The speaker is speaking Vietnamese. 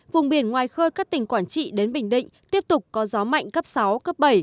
vùng biển ngoài khơi các tỉnh quảng trị đến bình định tiếp tục có gió mạnh cấp sáu cấp bảy